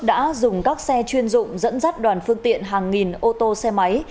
đã dùng các xe chuyên dụng dẫn dắt đoàn phương tiện hàng nghìn ô tô xe máy